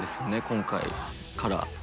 今回から。